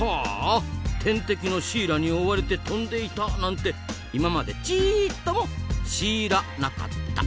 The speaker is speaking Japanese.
天敵のシイラに追われて飛んでいたなんて今までちっともシイラなかった。